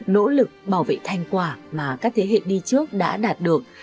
nỗ lực bảo vệ thành quả mà các thế hệ đi trước đã đạt được